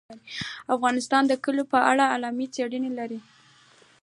افغانستان د کلیو په اړه علمي څېړنې لري.